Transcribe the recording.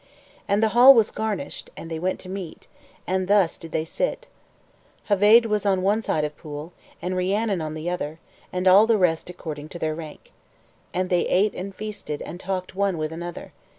And the hall was garnished, and they went to meat, and thus did they sit: Heveydd was on one side of Pwyll, and Rhiannon on the other; and all the rest according to their rank. And they ate and feasted, and talked one with another.